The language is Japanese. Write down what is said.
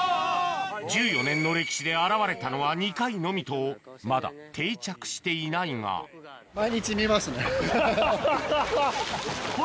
・１４年の歴史で現れたのは２回のみとまだ定着していないがハハハハハ！